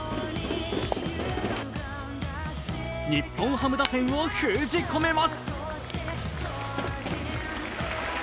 日本ハム打線を封じ込めます。